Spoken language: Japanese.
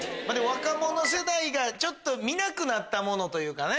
若者世代が見なくなったものというかね。